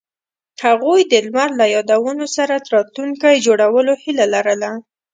هغوی د لمر له یادونو سره راتلونکی جوړولو هیله لرله.